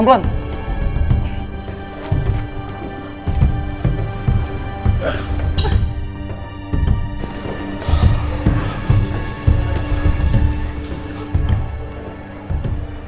nggak ada apa apa